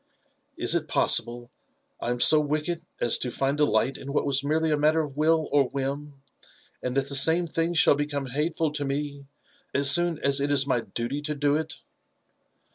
Is it possible that I am so wicked as to find delight in what was merely a matter of will or whim, and that the same thing shall beconae hateful to me as soon as it is my duty to do it?"